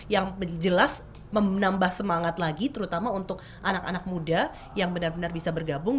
yang jelas menambah semangat lagi terutama untuk anak anak muda yang benar benar bisa bergabung